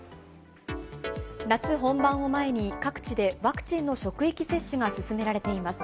夏本番を前に、各地でワクチンの職域接種が進められています。